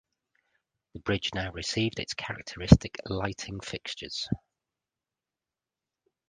The bridge now received its characteristic lighting fixtures.